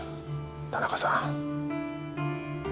田中さん。